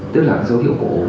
tức là dấu hiệu cổ